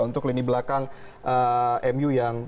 untuk lini belakang mu yang